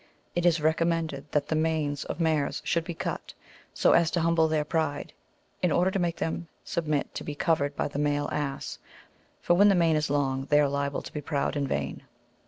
It is recommended that the manes of mares should be cut, so as to humble their pride, in order to make them submit to be covered by the male ass ; for when the mane is long, they are liable to be proud and vain.